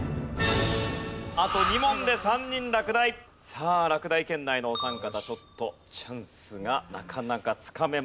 さあ落第圏内のお三方ちょっとチャンスがなかなかつかめません。